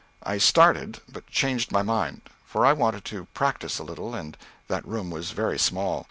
I started, but changed my mind; for I wanted to practise a little, and that room was very small.